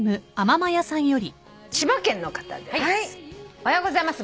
「おはようございます。